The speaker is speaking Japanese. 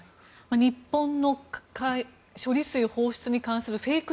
日本の処理水放出に関するフェイク